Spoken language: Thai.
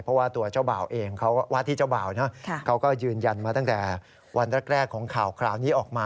เพราะว่าตัวเจ้าบ่าวเองวาทิเจ้าบ่าว